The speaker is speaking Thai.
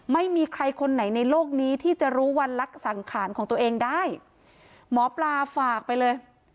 ไม่มีใครคนไหนในโลกนี้ที่จะรู้วันลักษังขารของตัวเองได้หมอปลาฝากไปเลย